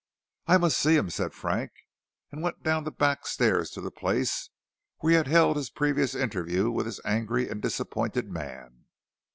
"I must see him," said Frank, and went down the back stairs to the place where he had held his previous interview with this angry and disappointed man.